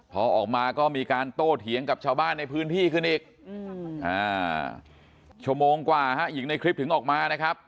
พอออกมาก็มีการโต้เถียงกับชาวบ้านในพื้นที่ขึ้นอีกชั่วโมงกว่าหญิงในคลิปถึงออกมานะครับ